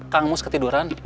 kang bus ketiduran